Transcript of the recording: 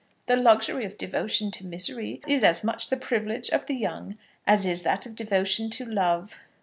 The luxury of devotion to misery is as much the privilege of the young as is that of devotion to love.